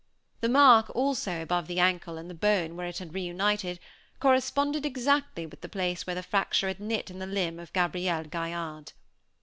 The mark, also, above the ankle, in the bone, where it had reunited, corresponded exactly with the place where the fracture had knit in the limb of Gabriel Gaillarde.